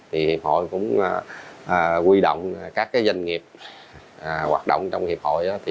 thì hiệp hội cũng quy động các doanh nghiệp hoạt động trong hiệp hội